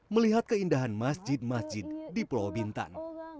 melihat keindahan masjid masjid di pulau bintan